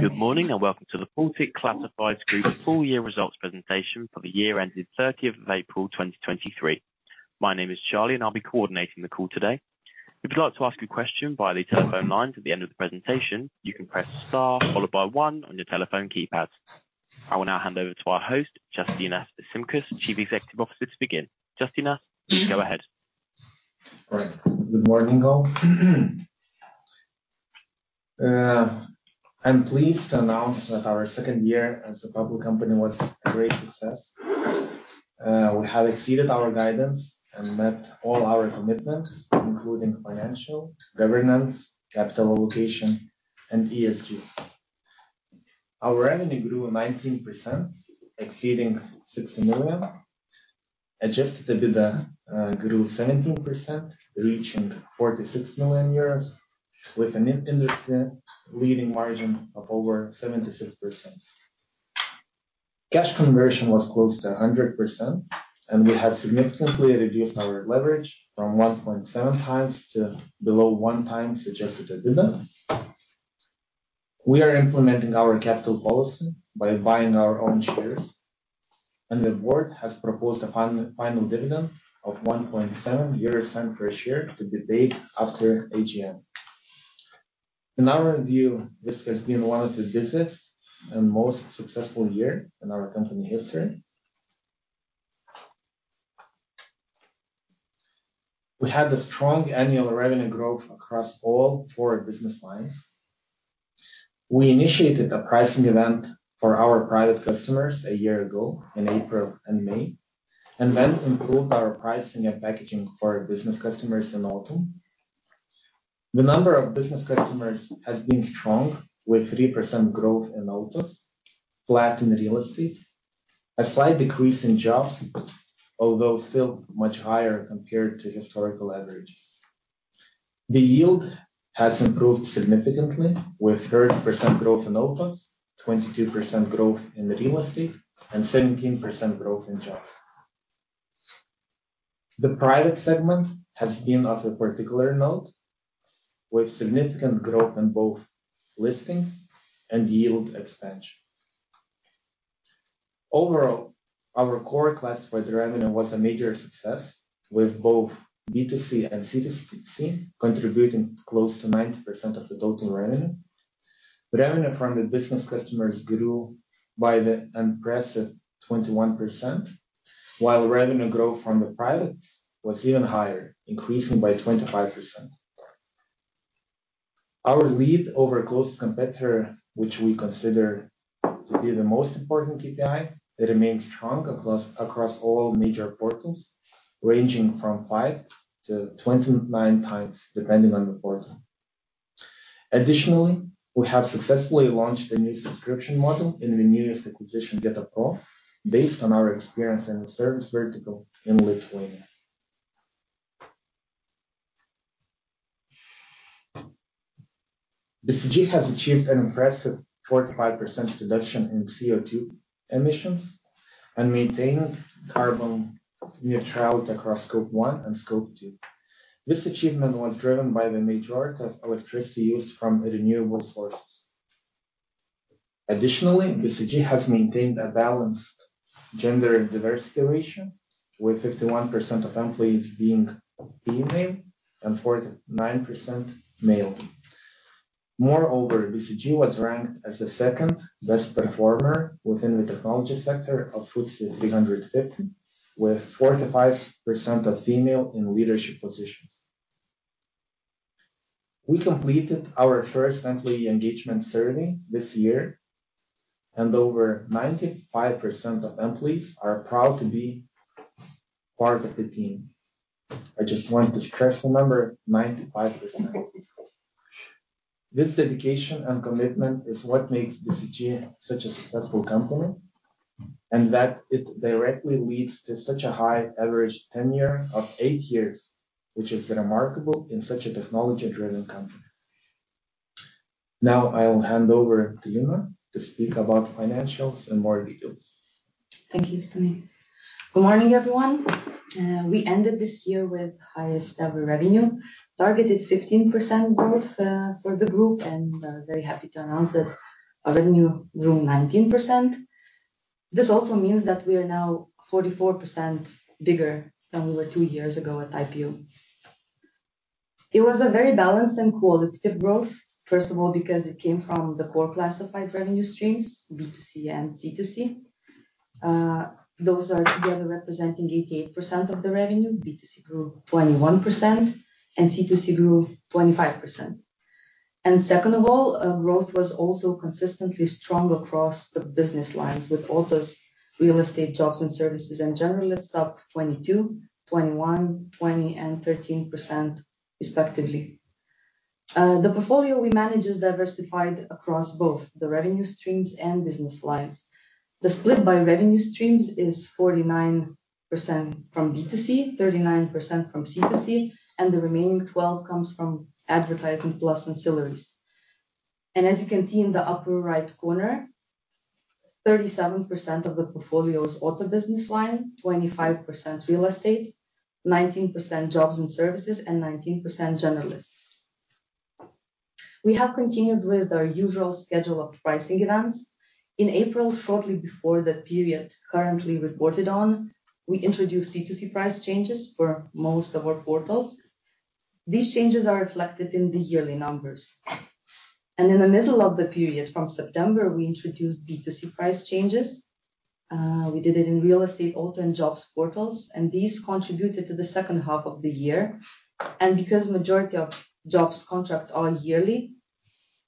Good morning, welcome to the Baltic Classifieds Group full year results presentation for the year ended 30th of April, 2023. My name is Charlie, and I'll be coordinating the call today. If you'd like to ask a question via the telephone lines at the end of the presentation, you can press star followed by one on your telephone keypad. I will now hand over to our host, Justinas Šimkus, Chief Executive Officer, to begin. Justinas, please go ahead. All right. Good morning, all. I'm pleased to announce that our second year as a public company was a great success. We have exceeded our guidance and met all our commitments, including financial, governance, capital allocation, and ESG. Our revenue grew 19%, exceeding 60 million. Adjusted EBITDA grew 17%, reaching 46 million euros, with an industry-leading margin of over 76%. Cash conversion was close to 100%, and we have significantly reduced our leverage from 1.7x to below 1x adjusted EBITDA. We are implementing our capital policy by buying our own shares, and the board has proposed a final dividend of 0.017 per share to debate after AGM. In our view, this has been one of the busiest and most successful year in our company history. We had a strong annual revenue growth across all four business lines. We initiated a pricing event for our private customers a year ago, in April and May, and then improved our pricing and packaging for our business customers in autumn. The number of business customers has been strong, with 3% growth in autos, flat in real estate, a slight decrease in jobs, although still much higher compared to historical averages. The yield has improved significantly, with 30% growth in autos, 22% growth in real estate, and 17% growth in jobs. The private segment has been of a particular note, with significant growth in both listings and yield expansion. Overall, our core classified revenue was a major success, with both B2C and C2C contributing close to 90% of the total revenue. Revenue from the business customers grew by the impressive 21%, while revenue growth from the private was even higher, increasing by 25%. Our lead over closest competitor, which we consider to be the most important KPI, it remains strong across all major portals, ranging from 5x-29x, depending on the portal. Additionally, we have successfully launched a new subscription model in the newest acquisition, GetaPro, based on our experience in the service vertical in Lithuania. BCG has achieved an impressive 45% reduction in CO2 emissions and maintained carbon neutrality across Scope 1 and Scope 2. This achievement was driven by the majority of electricity used from renewable sources. Additionally, BCG has maintained a balanced gender and diversity ratio, with 51% of employees being female and 49% male. Moreover, BCG was ranked as the second best performer within the technology sector of FTSE 350, with 45% of female in leadership positions. We completed our first employee engagement survey this year, and over 95% of employees are proud to be part of the team. I just want to stress the number, 95%. This dedication and commitment is what makes BCG such a successful company, and that it directly leads to such a high average tenure of eight years, which is remarkable in such a technology-driven company. Now I will hand over to Lina to speak about financials and more details. Thank you, Justinas. Good morning, everyone. We ended this year with highest ever revenue. Target is 15% growth for the group, and very happy to announce that our revenue grew 19%. This also means that we are now 44% bigger than we were 2 years ago at IPO. It was a very balanced and qualitative growth. First of all, because it came from the core classified revenue streams, B2C and C2C. Those are together representing 88% of the revenue. B2C grew 21% and C2C grew 25%. Second of all, growth was also consistently strong across the business lines, with autos, real estate, jobs and services, and generalists up 22%, 21%, 20%, and 13%, respectively. The portfolio we manage is diversified across both the revenue streams and business lines. The split by revenue streams is 49% from B2C, 39% from C2C, the remaining 12 comes from advertising plus ancillaries. As you can see in the upper right corner. 37% of the portfolio's auto business line, 25% real estate, 19% jobs and services, and 19% generalists. We have continued with our usual schedule of pricing events. In April, shortly before the period currently reported on, we introduced C2C price changes for most of our portals. These changes are reflected in the yearly numbers. In the middle of the period, from September, we introduced B2C price changes. We did it in real estate, auto, and jobs portals, and these contributed to the second half of the year. Because majority of jobs contracts are yearly,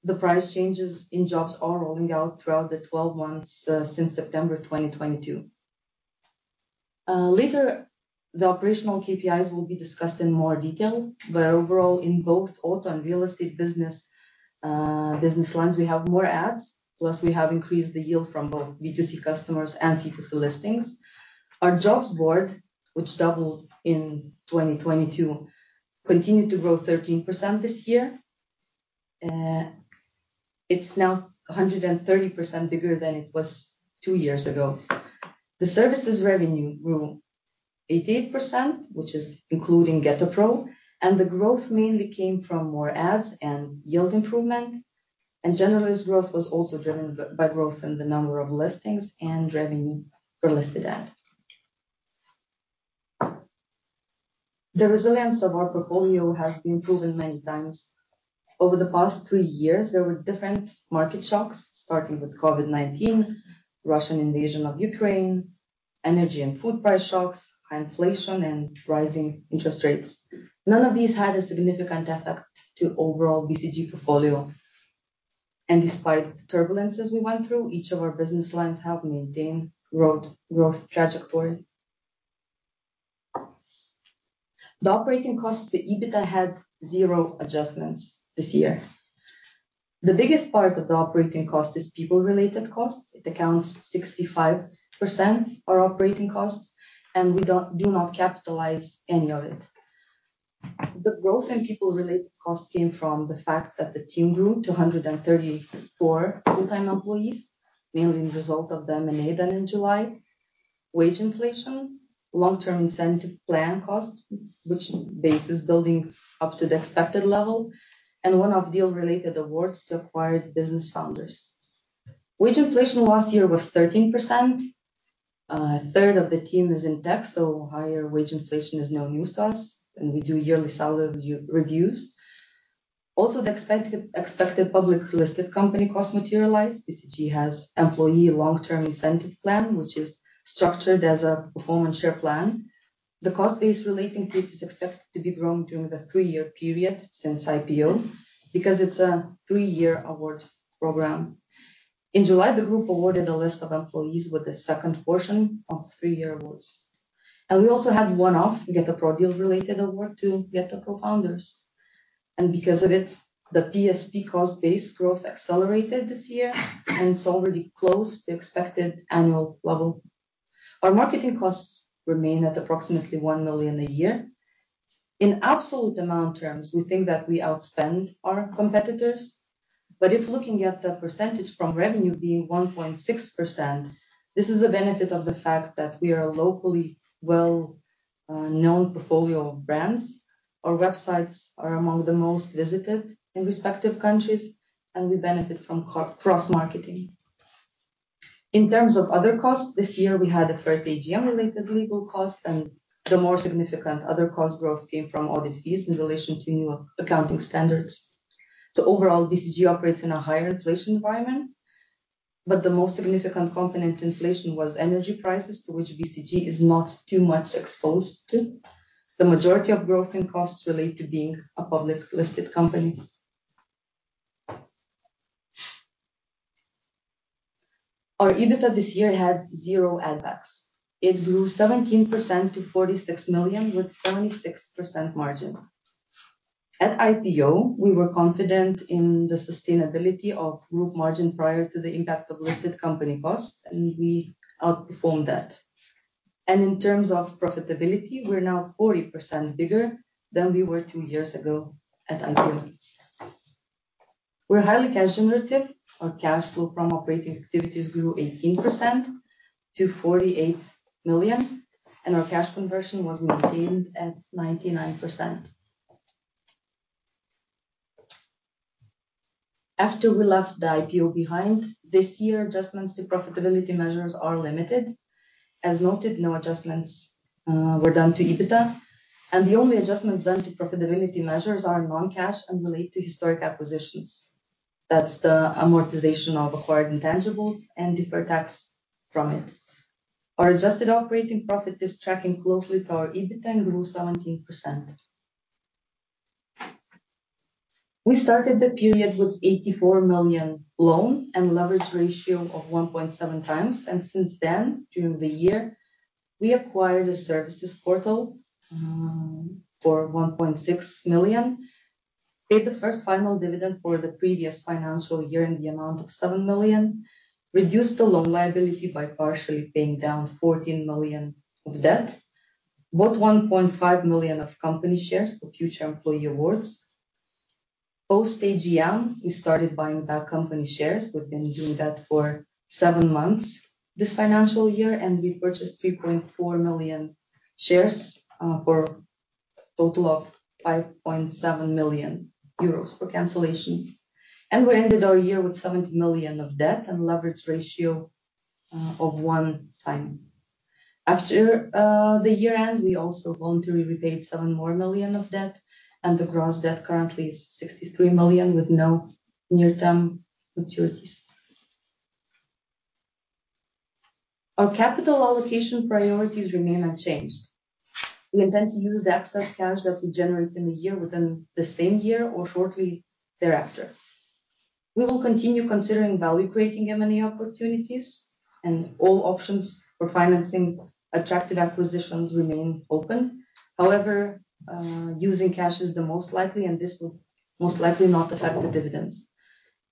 the price changes in jobs are rolling out throughout the 12 months since September 2022. Later, the operational KPIs will be discussed in more detail, but overall, in both auto and real estate business lines, we have more ads, plus we have increased the yield from both B2C customers and C2C listings. Our jobs board, which doubled in 2022, continued to grow 13% this year. It's now 130% bigger than it was two years ago. The services revenue grew 18%, which is including GetaPro, and the growth mainly came from more ads and yield improvement. Generalist growth was also driven by growth in the number of listings and revenue per listed ad. The resilience of our portfolio has been proven many times. Over the past three years, there were different market shocks, starting with COVID-19, Russian invasion of Ukraine, energy and food price shocks, high inflation, and rising interest rates. None of these had a significant effect to overall BCG portfolio. Despite the turbulences we went through, each of our business lines have maintained growth trajectory. The operating costs to EBITDA had zero adjustments this year. The biggest part of the operating cost is people-related costs. It accounts 65% our operating costs, and we do not capitalize any of it. The growth in people-related costs came from the fact that the team grew to 134 full-time employees, mainly in result of the M&A done in July. Wage inflation, long-term incentive plan costs, which base is building up to the expected level, and one-off deal related awards to acquired business founders. Wage inflation last year was 13%. A third of the team is in tech, higher wage inflation is no news to us, and we do yearly salary reviews. The expected public listed company costs materialized. BCG has employee long-term incentive plan, which is structured as a performance share plan. The cost base relating to it is expected to be growing during the 3-year period since IPO, because it's a 3-year award program. In July, the group awarded a list of employees with the second portion of 3-year awards. We also had one-off GetaPro deal related award to GetaPro founders. Because of it, the PSP cost base growth accelerated this year, and it's already close to expected annual level. Our marketing costs remain at approximately 1 million a year. In absolute amount terms, we think that we outspend our competitors, but if looking at the percentage from revenue being 1.6%, this is a benefit of the fact that we are a locally well known portfolio of brands. Our websites are among the most visited in respective countries. We benefit from cross-marketing. In terms of other costs, this year, we had the first AGM-related legal costs, and the more significant other cost growth came from audit fees in relation to new accounting standards. Overall, BCG operates in a higher inflation environment, but the most significant component to inflation was energy prices, to which BCG is not too much exposed to. The majority of growth in costs relate to being a public listed company. Our EBITDA this year had zero add backs. It grew 17% to 46 million, with 76% margin. At IPO, we were confident in the sustainability of group margin prior to the impact of listed company costs, and we outperformed that. In terms of profitability, we're now 40% bigger than we were two years ago at IPO. We're highly cash generative. Our cash flow from operating activities grew 18% to 48 million, our cash conversion was maintained at 99%. After we left the IPO behind, this year, adjustments to profitability measures are limited. As noted, no adjustments were done to EBITDA, the only adjustments done to profitability measures are non-cash and relate to historic acquisitions. That's the amortization of acquired intangibles and deferred tax from it. Our adjusted operating profit is tracking closely to our EBITDA and grew 17%. We started the period with 84 million loan and leverage ratio of 1.7x. Since then, during the year, we acquired a services portal for 1.6 million, paid the first final dividend for the previous financial year in the amount of 7 million, reduced the loan liability by partially paying down 14 million of debt, bought 1.5 million of company shares for future employee awards. Post AGM, we started buying back company shares. We've been doing that for seven months this financial year, and we purchased 3.4 million shares for a total of 5.7 million euros for cancellation. We ended our year with 70 million of debt and leverage ratio of 1x. After the year-end, we also voluntarily repaid 7 million of debt, and the gross debt currently is 63 million, with no near-term maturities. Our capital allocation priorities remain unchanged. We intend to use the excess cash that we generate in a year, within the same year or shortly thereafter. We will continue considering value-creating M&A opportunities, and all options for financing attractive acquisitions remain open. However, using cash is the most likely, and this will most likely not affect the dividends.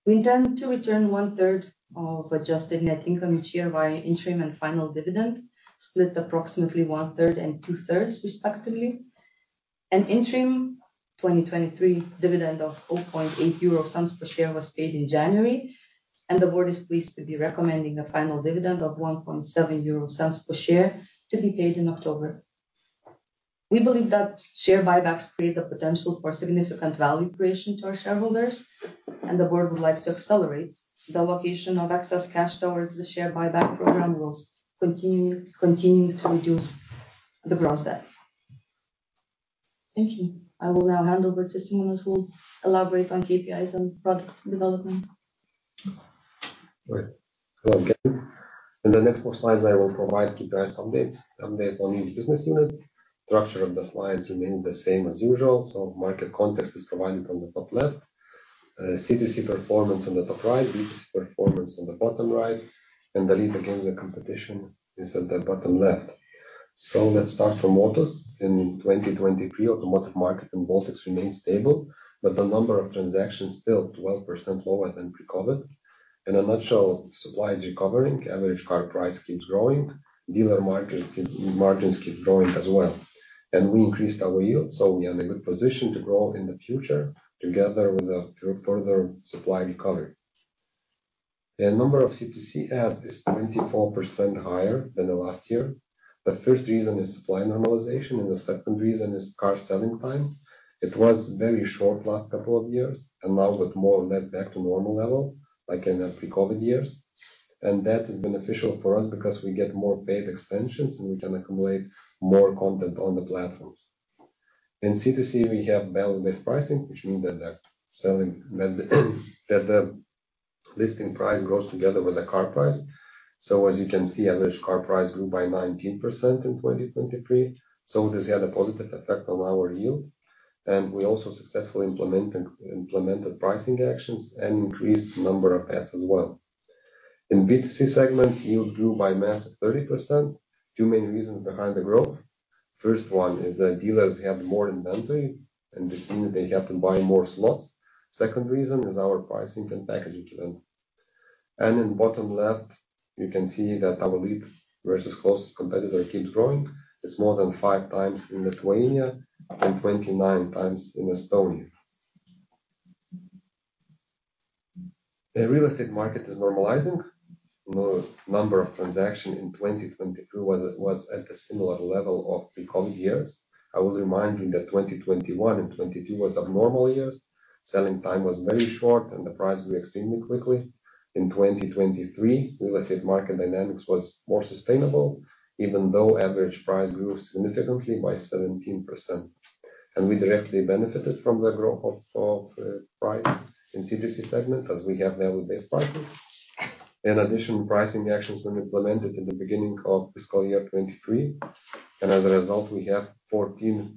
We intend to return one third of adjusted net income each year via interim and final dividend, split approximately one third and two thirds respectively. An interim 2023 dividend of 0.048 per share was paid in January, and the board is pleased to be recommending a final dividend of 0.017 per share to be paid in October. We believe that share buybacks create the potential for significant value creation to our shareholders. The board would like to accelerate the allocation of excess cash towards the share buyback program will continue to reduce the gross debt. Thank you. I will now hand over to Simonas, who will elaborate on KPIs and product development. Right. Hello, again. In the next four slides, I will provide KPIs updates. Updates on each business unit. Structure of the slides remain the same as usual, so market context is provided on the top left, C2C performance on the top right, B2C performance on the bottom right, and the lead against the competition is at the bottom left. Let's start from motors. In 2023, automotive market in Baltics remained stable, but the number of transactions still 12% lower than pre-COVID. In a nutshell, supply is recovering, average car price keeps growing, dealer market margins keep growing as well, and we increased our yield, so we are in a good position to grow in the future together with the further supply recovery. The number of C2C ads is 24% higher than the last year. The first reason is supply normalization. The second reason is car selling time. It was very short last couple of years. Now it's more or less back to normal level, like in the pre-COVID-19 years. That is beneficial for us because we get more paid extensions, and we can accumulate more content on the platforms. In C2C, we have value-based pricing, which means that the selling, the listing price grows together with the car price. As you can see, average car price grew by 19% in 2023, so this had a positive effect on our yield. We also successfully implemented pricing actions and increased the number of ads as well. In B2C segment, yield grew by massive 30%. Two main reasons behind the growth: First one is the dealers had more inventory, and this means they have to buy more slots. Second reason is our pricing and packaging event. In bottom left, you can see that our lead versus closest competitor keeps growing. It's more than 5x in Lithuania and 29x in Estonia. The real estate market is normalizing. The number of transaction in 2023 was at a similar level of pre-COVID-19 years. I will remind you that 2021 and 2022 was abnormal years. Selling time was very short, the price grew extremely quickly. In 2023, real estate market dynamics was more sustainable, even though average price grew significantly by 17%. We directly benefited from the growth of price in C2C segment, as we have value-based pricing. Pricing actions were implemented in the beginning of fiscal year 2023. As a result, we have 14%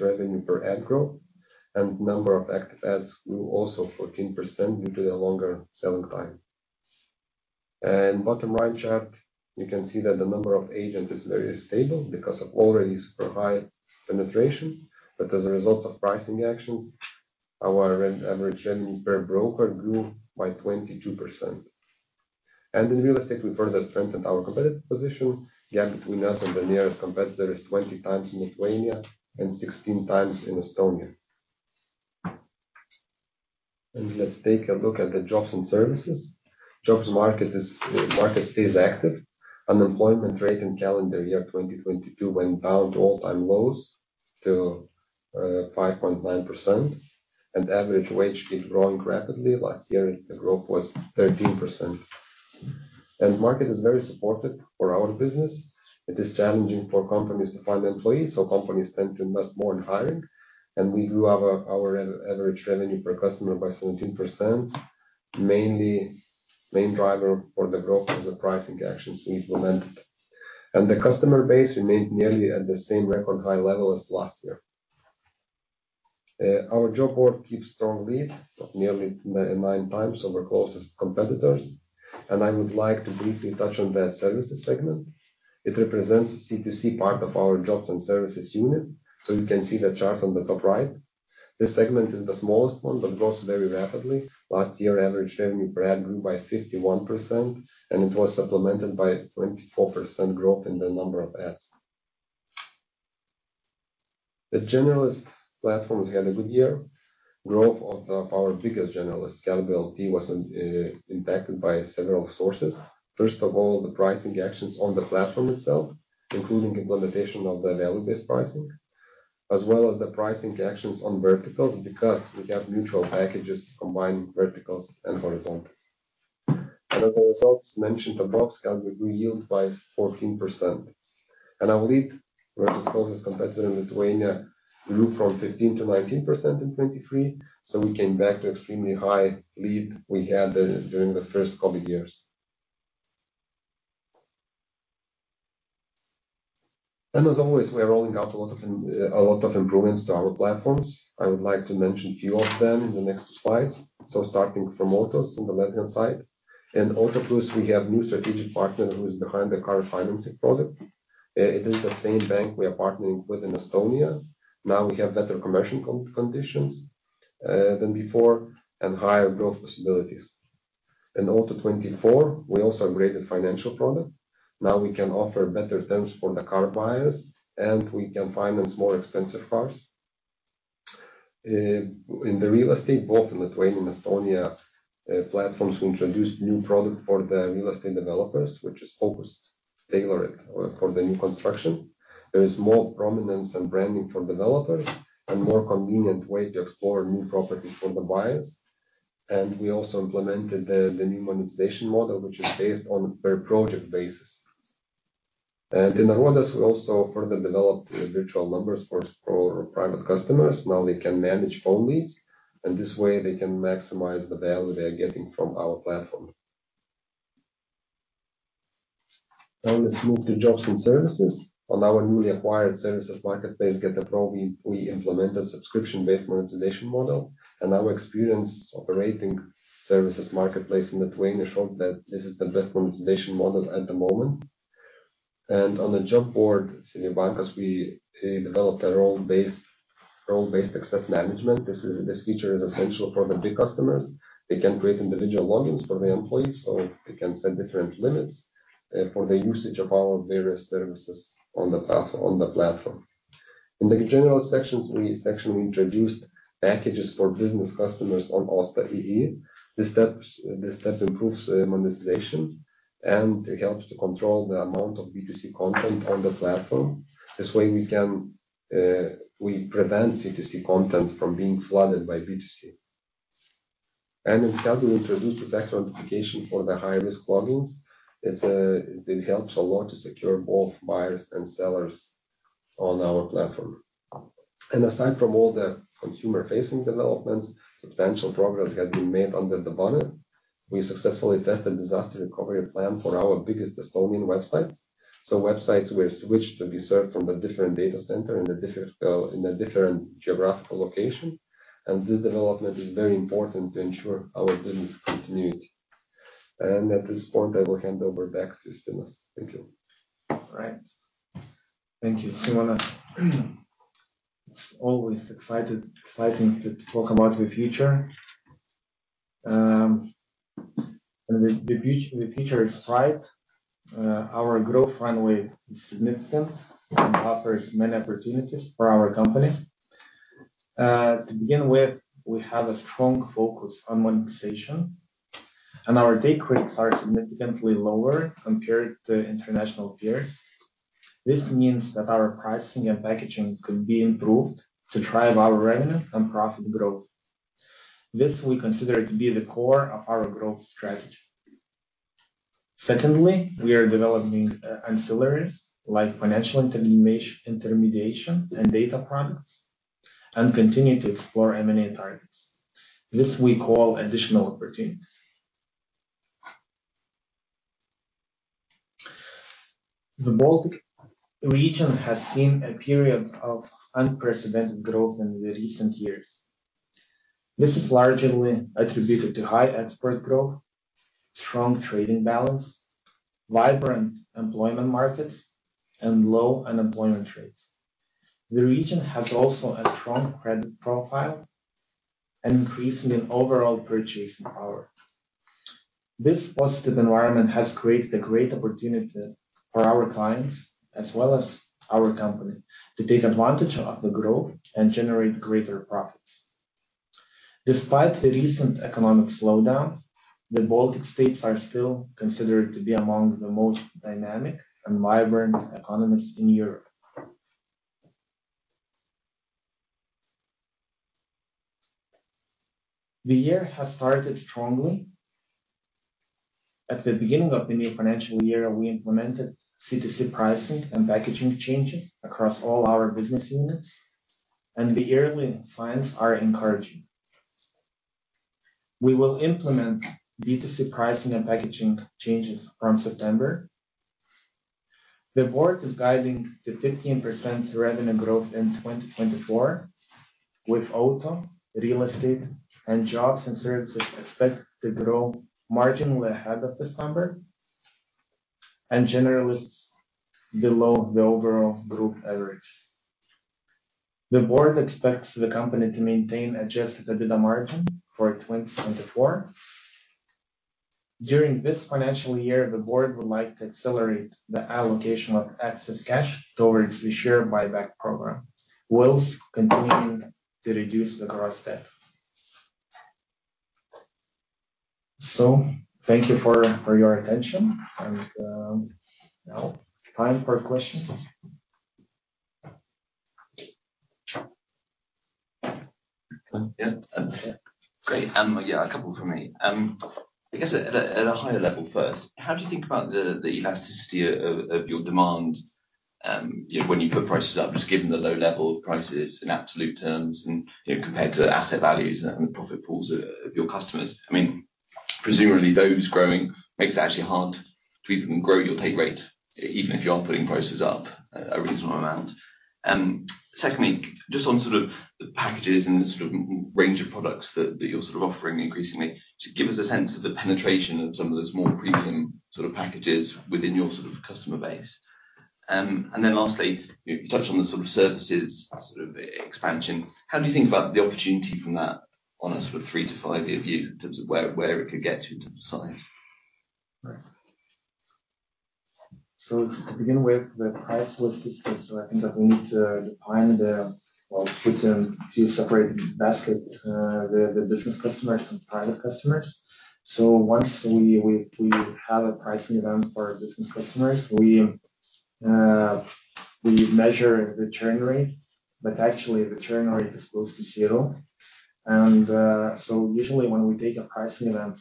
revenue per ad growth, and number of ads grew also 14% due to the longer selling time. Bottom right chart, you can see that the number of agents is very stable because of already super high penetration. As a result of pricing actions, our average revenue per broker grew by 22%. In real estate, we further strengthened our competitive position. Gap between us and the nearest competitor is 20 times in Lithuania and 16 times in Estonia. Let's take a look at the jobs and services. Jobs market stays active. Unemployment rate in calendar year 2022 went down to all-time lows to 5.9%. Average wage keep growing rapidly. Last year, the growth was 13%. Market is very supportive for our business. It is challenging for companies to find employees, so companies tend to invest more in hiring. We grew our average revenue per customer by 17%. Main driver for the growth is the pricing actions we implemented. The customer base remained nearly at the same record high level as last year. Our job board keeps strong lead of nearly 9x over closest competitors. I would like to briefly touch on the services segment. It represents the C2C part of our jobs and services unit, so you can see the chart on the top right. This segment is the smallest one, but grows very rapidly. Last year, average revenue per ad grew by 51%, and it was supplemented by 24% growth in the number of ads. The generalist platforms had a good year. Growth of our biggest generalist, Skelbiu.lt, was impacted by several sources. First of all, the pricing actions on the platform itself, including implementation of the value-based pricing, as well as the pricing actions on verticals, because we have neutral packages combining verticals and horizontals. As the results mentioned above, Skelbiu grew yield by 14%. Our lead versus closest competitor in Lithuania grew from 15%-19% in 2023, so we came back to extremely high lead we had during the first COVID years. As always, we are rolling out a lot of improvements to our platforms. I would like to mention a few of them in the next slides. Starting from Motors on the left-hand side. In Autoplius, we have new strategic partner who is behind the car financing product. It is the same bank we are partnering with in Estonia. Now we have better commercial conditions than before and higher growth possibilities. In Auto24, we also upgraded financial product. Now we can offer better terms for the car buyers, and we can finance more expensive cars. In the real estate, both in Lithuania and Estonia platforms, we introduced new product for the real estate developers, which is focused, tailored for the new construction. There is more prominence and branding for developers and more convenient way to explore new properties for the buyers. We also implemented the new monetization model, which is based on per project basis. In Naujienos, we also further developed virtual numbers for private customers. Now they can manage phone leads, and this way they can maximize the value they are getting from our platform. Now, let's move to Jobs and Services. On our newly acquired services marketplace, GetaPro, we implemented a subscription-based monetization model. Our experience operating services marketplace in Lithuania showed that this is the best monetization model at the moment. On the job board, CVbankas, we developed a role-based access management. This feature is essential for the big customers. They can create individual logins for the employees, so they can set different limits for the usage of our various services on the platform. In the general sections, we actually introduced packages for business customers on Osta.ee. This step improves monetization and helps to control the amount of B2C content on the platform. This way, we prevent C2C content from being flooded by B2C. In Skelbiu, we introduced the two-factor authentication for the high-risk logins. It helps a lot to secure both buyers and sellers on our platform. Aside from all the consumer-facing developments, substantial progress has been made under the bonnet. We successfully tested disaster recovery plan for our biggest Estonian websites, so websites were switched to be served from a different data center in a different geographical location. This development is very important to ensure our business continuity. At this point, I will hand over back to Justinas. Thank you. All right. Thank you, Simonas. It's always exciting to talk about the future. The future is bright. Our growth runway is significant and offers many opportunities for our company. To begin with, we have a strong focus on monetization, and our day rates are significantly lower compared to international peers. This means that our pricing and packaging could be improved to drive our revenue and profit growth. This we consider to be the core of our growth strategy. Secondly, we are developing ancillaries like financial intermediation and data products, and continue to explore M&A targets. This we call additional opportunities. The Baltic region has seen a period of unprecedented growth in the recent years. This is largely attributed to high export growth, strong trading balance, vibrant employment markets, and low unemployment rates. The region has also a strong credit profile and increasing in overall purchasing power. This positive environment has created a great opportunity for our clients, as well as our company, to take advantage of the growth and generate greater profits. Despite the recent economic slowdown, the Baltic states are still considered to be among the most dynamic and vibrant economies in Europe. The year has started strongly. At the beginning of the new financial year, we implemented C2C pricing and packaging changes across all our business units, and the early signs are encouraging. We will implement B2C pricing and packaging changes from September. The board is guiding to 15% revenue growth in 2024, with Auto, Real Estate, and Jobs and Services expected to grow marginally ahead of this number, and generalists below the overall group average. The board expects the company to maintain adjusted EBITDA margin for 2024. During this financial year, the board would like to accelerate the allocation of excess cash towards the share buyback program, while continuing to reduce the gross debt. Thank you for your attention. Now time for questions. Yeah. Yeah, great. Yeah, a couple from me. I guess at a higher level first, how do you think about the elasticity of your demand, you know, when you put prices up, just given the low level of prices in absolute terms and, you know, compared to asset values and the profit pools of your customers? I mean, presumably, those growing makes it actually hard to even grow your take rate, even if you are putting prices up a reasonable amount. Secondly, just on the sort of the packages and the sort of range of products that you're sort of offering increasingly, just give us a sense of the penetration of some of those more premium sort of packages within your sort of customer base. Lastly, you touched on the sort of services, sort of expansion. How do you think about the opportunity from that on a sort of three to five year view in terms of where it could get to in terms of size? Right. To begin with, the price was discussed, I think that we need to Well, put them two separate basket, the business customers and private customers. Once we have a pricing event for our business customers, we measure the churn rate, actually the churn rate is close to zero. Usually when we take a pricing event,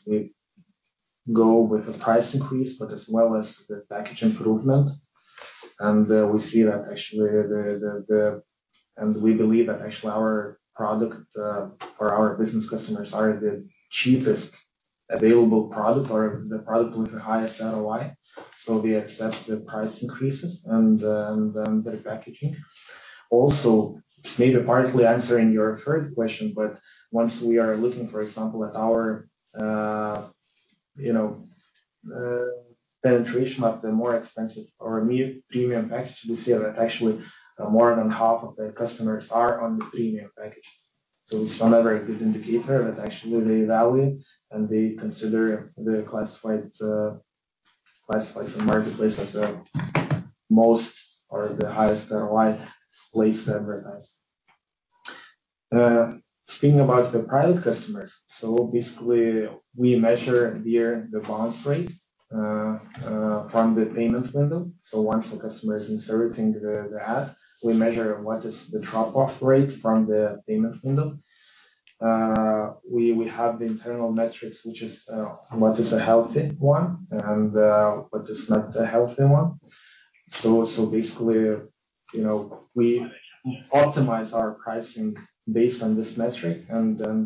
we go with a price increase, but as well as the package improvement. We see that actually and we believe that actually our product for our business customers are the cheapest available product or the product with the highest ROI. We accept the price increases and then the packaging. It's maybe partly answering your first question, but once we are looking, for example, at our, you know, penetration of the more expensive or premium package, we see that actually, more than half of the customers are on the premium packages. It's another good indicator that actually they value, and they consider the classifieds and marketplace as a most or the highest ROI place to advertise. Speaking about the private customers, basically, we measure here the bounce rate from the payment window. Once the customer is inserting the ad, we measure what is the drop-off rate from the payment window. We have the internal metrics, which is what is a healthy one and what is not a healthy one. Basically, you know, we optimize our pricing based on this metric,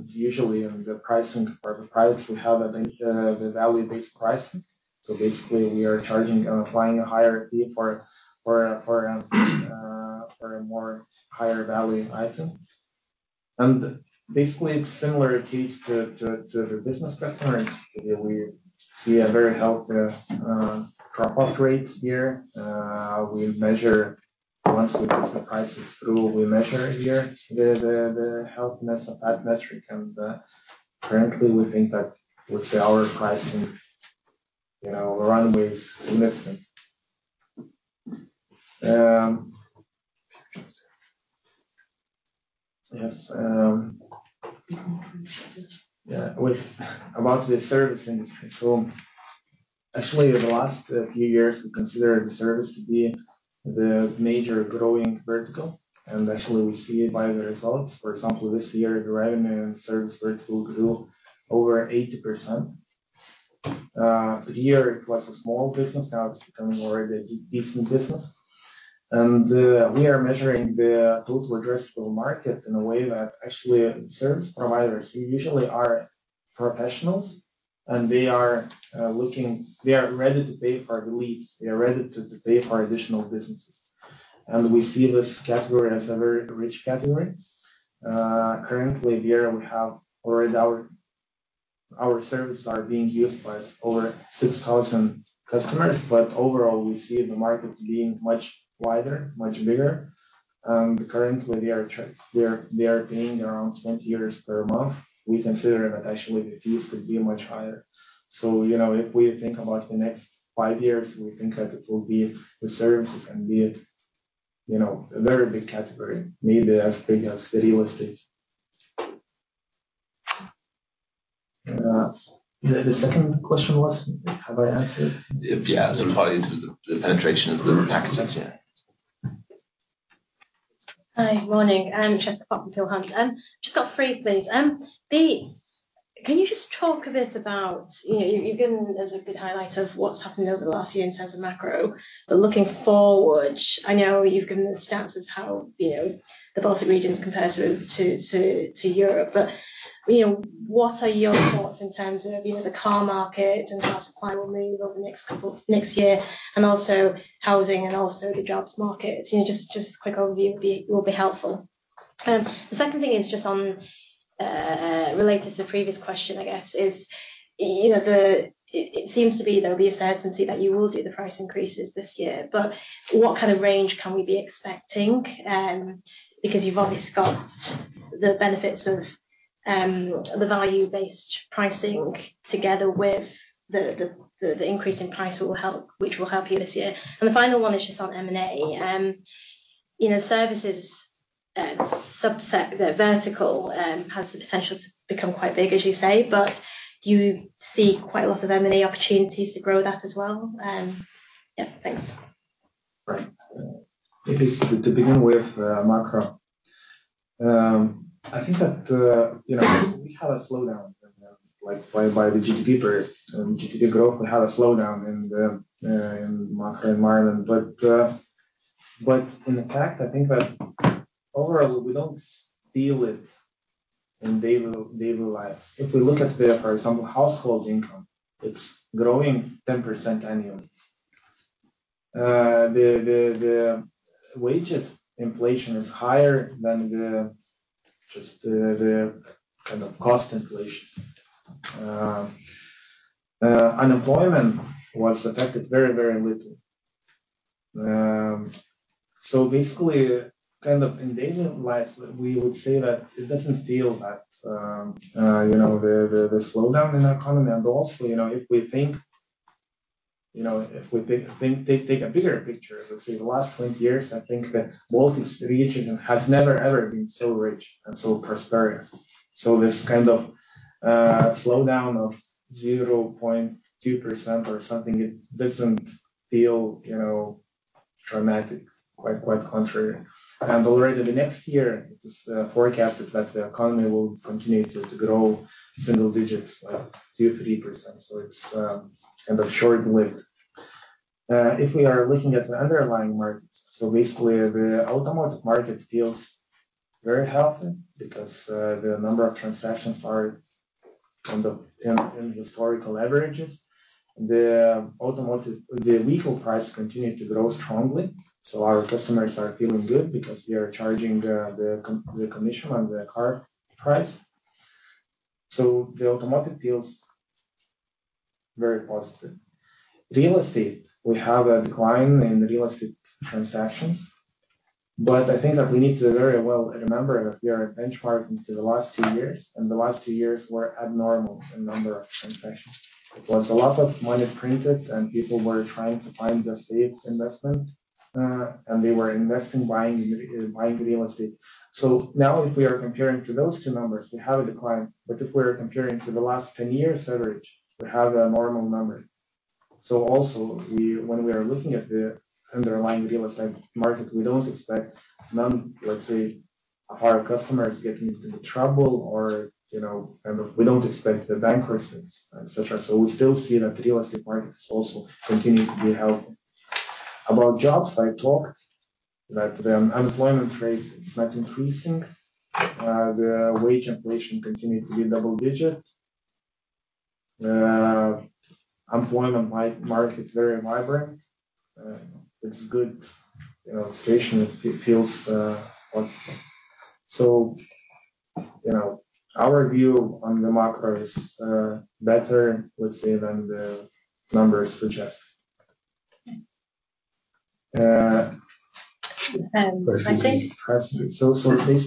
usually in the pricing for the products, we have the value-based pricing. Basically, we are charging, applying a higher fee for a more higher value item. Basically, it's similar case to the business customers. We see a very healthy drop-off rates here. We measure once we put the prices through, we measure here the healthiness of that metric, currently, we think that with our pricing, you know, the runway is significant. With about the servicing, actually in the last few years, we consider the service to be the major growing vertical, actually we see it by the results. For example, this year, the revenue and service vertical grew over 80%. A year it was a small business, now it's becoming already a decent business. We are measuring the total addressable market in a way that actually service providers, who usually are professionals, and they are ready to pay for the leads. They are ready to pay for additional businesses. We see this category as a very rich category. Currently, here we have already our services are being used by over 6,000 customers, but overall, we see the market being much wider, much bigger. Currently, we are paying around 20 euros per month. We consider that actually the fees could be much higher. You know, if we think about the next five years, we think that it will be the services and be it, you know, a very big category, maybe as big as the real estate. The second question was? Have I answered? Yeah. Sort of probably into the penetration of the packages. Yeah. Hi. Morning. Jessica Pok from Peel Hunt. Just got three things. Can you just talk a bit about, you know, you've given us a good highlight of what's happened over the last year in terms of macro. Looking forward, I know you've given the stats as how, you know, the Baltic regions compares to Europe, but, you know, what are your thoughts in terms of, you know, the car market and how supply will move over the next couple, next year, and also housing and also the jobs market? You know, just a quick overview will be helpful. The second thing is just on, related to the previous question, I guess, is, you know, it seems to be there'll be a certainty that you will do the price increases this year, but what kind of range can we be expecting? Because you've obviously got the benefits of the value-based pricing together with the increase in price will help, which will help you this year. The final one is just on M&A. You know, services, subset, the vertical, has the potential to become quite big, as you say. Do you see quite a lot of M&A opportunities to grow that as well? Yeah, thanks. Right. Maybe to begin with, macro. I think that, you know, we had a slowdown, like, by the GDP per-- GDP growth. We had a slowdown in the macro environment. In fact, I think that overall, we don't feel it in daily lives. If we look at the, for example, household income, it's growing 10% annually. The wages inflation is higher than the just, kind of, cost inflation. Unemployment was affected very little. Basically, kind of, in daily lives, we would say that it doesn't feel that, you know, the slowdown in economy. You know, if we think, you know, if we think, take a bigger picture, let's say the last 20 years, I think that Baltic region has never, ever been so rich and so prosperous. This kind of slowdown of 0.2% or something, it doesn't feel, you know, dramatic. Quite contrary. The next year, it is forecasted that the economy will continue to grow single digits, 2%-3%. It's kind of short-lived. If we are looking at the underlying markets, so basically, the automotive market feels very healthy because the number of transactions are on the historical averages. The vehicle prices continue to grow strongly, so our customers are feeling good because we are charging the commission on the car price. The automotive feels very positive. Real estate, we have a decline in real estate transactions, but I think that we need to very well remember that we are benchmarking to the last two years, and the last two years were abnormal in number of transactions. It was a lot of money printed, and people were trying to find a safe investment, and they were investing, buying real estate. Now, if we are comparing to those two numbers, we have a decline, but if we are comparing to the last 10 years' average, we have a normal number. Also, when we are looking at the underlying real estate market, we don't expect Let's say, our customers get into trouble, or, you know, kind of, we don't expect the bankruptcies, et cetera. We still see that the real estate market is also continuing to be healthy. About jobs, I talked, that the unemployment rate is not increasing. The wage inflation continue to be double-digit. Employment market, very vibrant. It's good. You know, station, it feels positive. You know, our view on the macro is better, let's say, than the numbers suggest. Pricing? Pricing. Basically,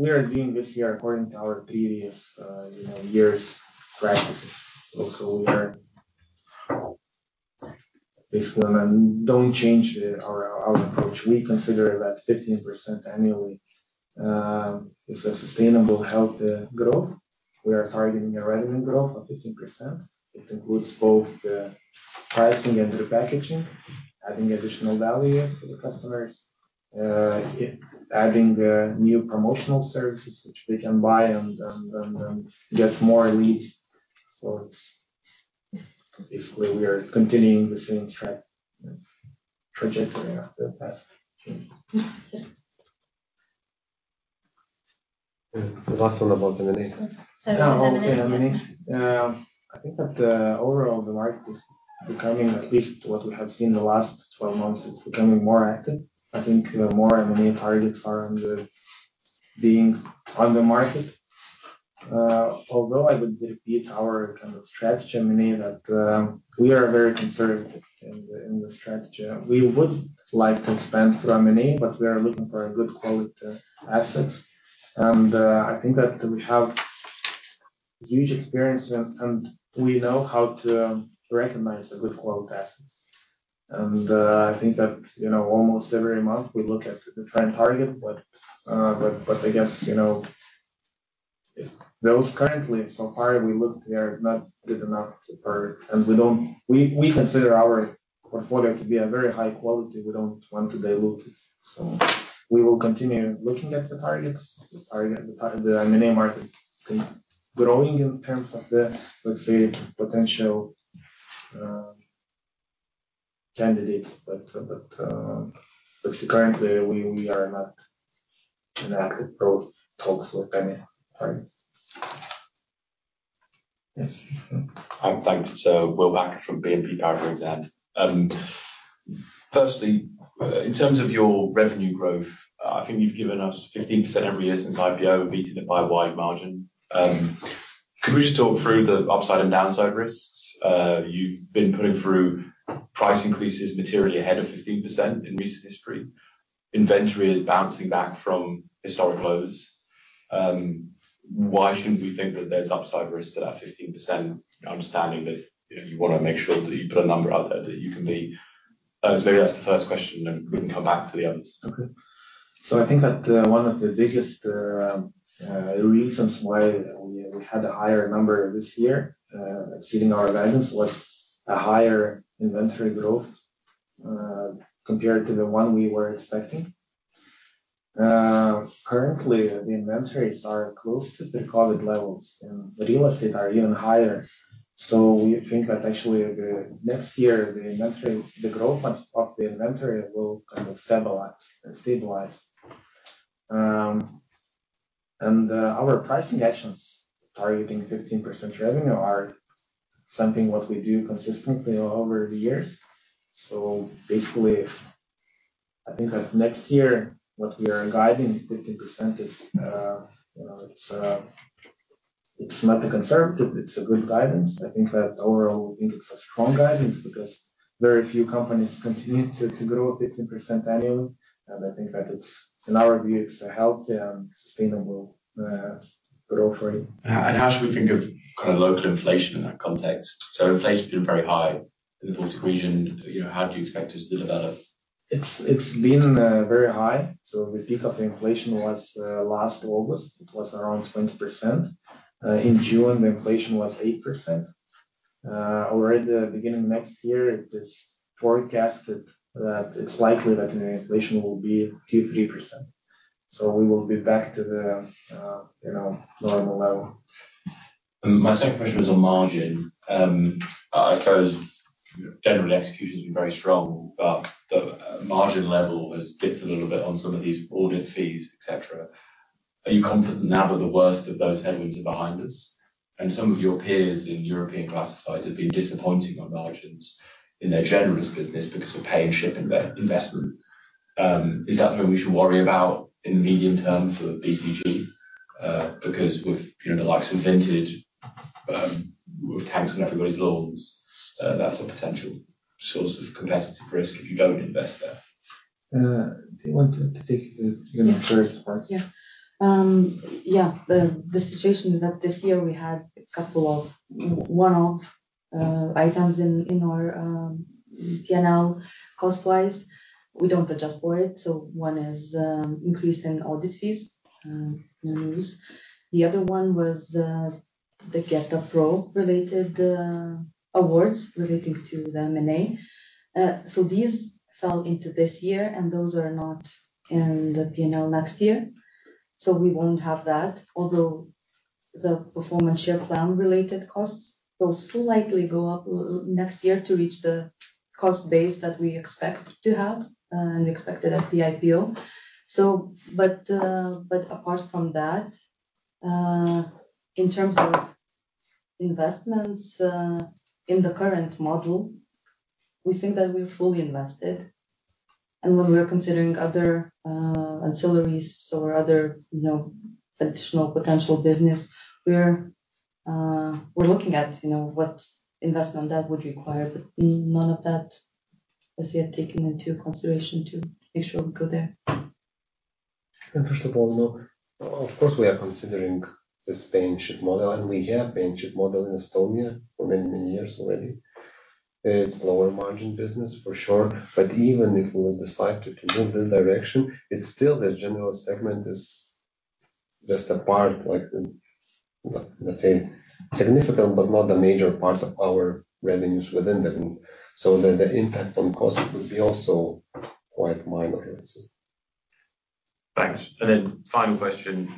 we are doing this year, according to our previous, you know, years' practices. We are basically don't change our approach. We consider that 15% annually is a sustainable, healthy growth. We are targeting a revenue growth of 15%. It includes both the pricing and the repackaging, adding additional value to the customers. Adding the new promotional services which we can buy and get more leads. It's basically, we are continuing the same track, trajectory of the past. Yeah. Mm. Last one about the M&A. Services, M&A. Yeah. I think that, overall, the market is becoming, at least what we have seen in the last 12 months, it's becoming more active. I think, more M&A targets are being on the market. Although I would repeat our, kind of, strategy, M&A, that we are very conservative in the strategy. We would like to expand through M&A, but we are looking for a good quality assets. I think that we have huge experience, and we know how to recognize a good quality assets. I think that, you know, almost every month we look at the current target. I guess, you know, those currently, so far we looked, they are not good enough to purchase. We consider our portfolio to be a very high quality. We don't want to dilute it. We will continue looking at the targets. The M&A market growing in terms of the, let's say, potential candidates, but let's see, currently, we are not in active pro talks with any parties. Yes. Thanks. Will Packer from BNP Paribas Exane. Firstly, in terms of your revenue growth, I think you've given us 15% every year since IPO, beating it by a wide margin. Can we just talk through the upside and downside risks? You've been putting through price increases materially ahead of 15% in recent history. Inventory is bouncing back from historic lows. Why shouldn't we think that there's upside risk to that 15%, understanding that, you know, you want to make sure that you put a number out there that you can beat? Maybe that's the first question, we can come back to the others. I think that one of the biggest reasons why we had a higher number this year, exceeding our guidance, was a higher inventory growth compared to the one we were expecting. Currently, the inventories are close to the COVID levels, and the real estate are even higher. We think that actually, next year, the growth of the inventory will kind of stabilize. Our pricing actions targeting 15% revenue are something what we do consistently over the years. Basically, I think that next year, what we are guiding 15% is, you know, it's not a conservative, it's a good guidance. I think that overall, I think it's a strong guidance because very few companies continue to grow 15% annually. I think that it's. In our view, it's a healthy and sustainable growth rate. How should we think of kind of local inflation in that context? Inflation's been very high in the Baltic region. You know, how do you expect this to develop? It's been very high. The peak of inflation was last August. It was around 20%. In June, the inflation was 8%. Already the beginning of next year, it is forecasted that it's likely that the inflation will be 2%-3%. We will be back to the, you know, normal level. My second question was on margin. I suppose, generally, execution's been very strong, but the margin level has dipped a little bit on some of these audit fees, et cetera. Are you confident now that the worst of those headwinds are behind us? Some of your peers in European classifieds have been disappointing on margins in their general business because of Pay & Ship investment. Is that something we should worry about in the medium term for BCG? With, you know, the likes of Vinted, with tanks on everybody's loans, that's a potential source of competitive risk if you don't invest there. Do you want to take the, you know, first part? Yeah. Yeah, the situation is that this year we had a couple of one-off items in our PNL, cost-wise. We don't adjust for it. One is increase in audit fees, news. The other one was the GetaPro related awards relating to the M&A. These fell into this year, and those are not in the PNL next year, so we won't have that. Although, the performance share plan-related costs will slightly go up next year to reach the cost base that we expect to have and expected at the IPO. Apart from that, in terms of investments, in the current model, we think that we're fully invested. When we are considering other ancillaries or other, you know, traditional potential business, we're looking at, you know, what investment that would require, but none of that is yet taken into consideration to make sure we go there. First of all, though, of course, we are considering the Pay & Ship model, and we have Pay & Ship model in Estonia for many, many years already. It's lower margin business for sure, but even if we will decide to move the direction, it's still the general segment is just a part, like the, let's say, significant, but not the major part of our revenues within the group. The impact on costs would be also quite minor, I would say. Thanks. Final question.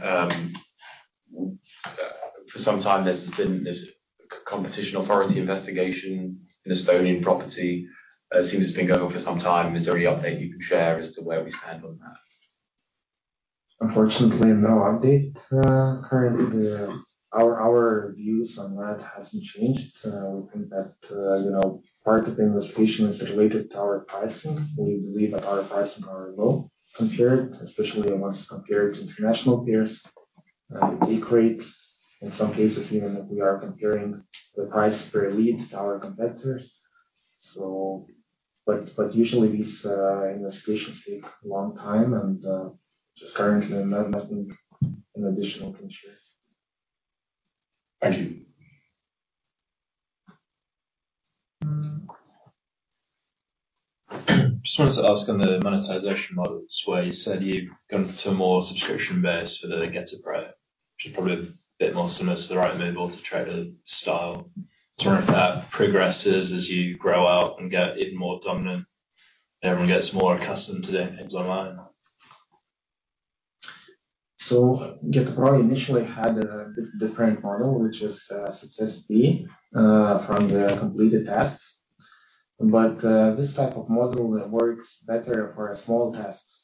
For some time, there's been this competition authority investigation in Estonian property. It seems it's been going on for some time. Is there any update you can share as to where we stand on that? Unfortunately, no update. Currently, our views on that hasn't changed. We think that, you know, part of the investigation is related to our pricing. We believe that our pricing are low compared, especially once compared to international peers. It creates, in some cases, even if we are comparing the price per lead to our competitors. Usually these investigations take a long time, and just currently, nothing, an additional can share. Thank you. Just wanted to ask on the monetization models, where you said you've gone to a more subscription base for the GetaPro, which is probably a bit more similar to the Rightmove to Auto Trader style. I wonder if that progresses as you grow out and get even more dominant, and everyone gets more accustomed to doing things online? GetaPro initially had a different model, which is success fee from the completed tasks. This type of model works better for a small tasks,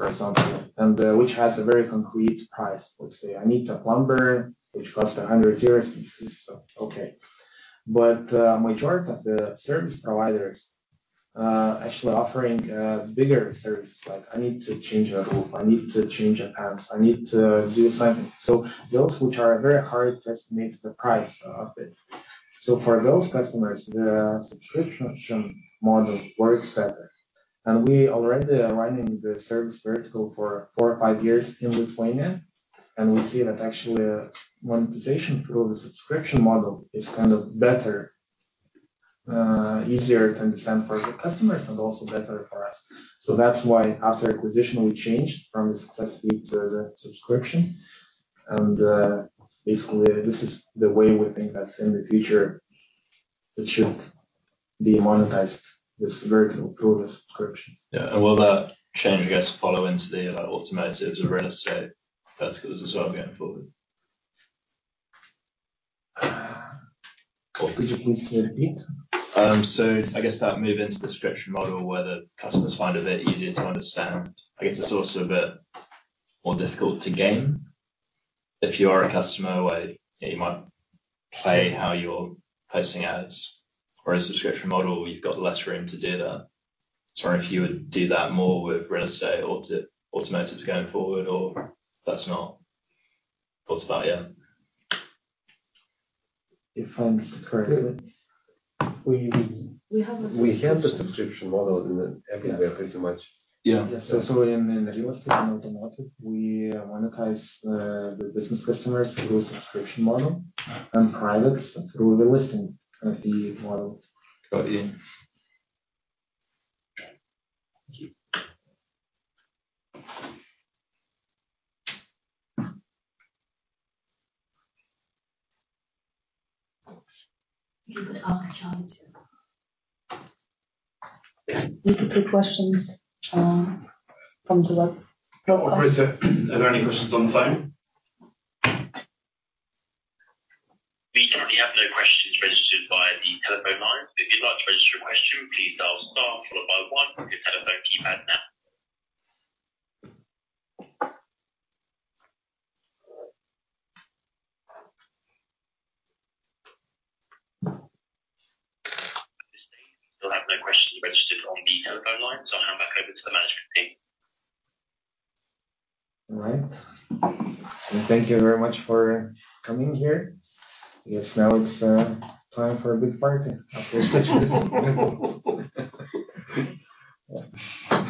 for example, and which has a very concrete price. Let's say, I need a plumber, which costs 100 euros, so okay. Majority of the service providers actually offering bigger services, like I need to change a roof, I need to change a house, I need to do something. Those which are very hard to estimate the price of it. For those customers, the subscription model works better. We already are running the service vertical for four or five years in Lithuania, and we see that actually, monetization through the subscription model is kind of better, easier to understand for the customers and also better for us. That's why after acquisition, we changed from the success fee to the subscription. Basically, this is the way we think that in the future it should be monetized, this vertical through the subscriptions. Yeah. Will that change, I guess, follow into the other automotives or real estate verticals as well, going forward? Could you please say it again? I guess that move into the subscription model, where the customers find it a bit easier to understand. I guess it's also a bit more difficult to game. If you are a customer, where you might play how you're posting ads, or a subscription model, you've got less room to do that. I'm wondering if you would do that more with real estate or to automotives going forward, or that's not thought about yet? If I understood correctly. We have a subscription. We have the subscription model in. Yes. Everywhere, pretty much. Yeah. Yes. In real estate and automotive, we monetize the business customers through a subscription model and privates through the listing fee model. Got you. Thank you. You could ask Johnny. We could take questions. Operator, are there any questions on the phone? We currently have no questions registered via the telephone line. If you'd like to register a question, please dial star followed by one on your telephone keypad now. At this stage, we still have no questions registered on the telephone line. I'll hand back over to the management team. All right. Thank you very much for coming here. I guess now it's time for a big party after such good results.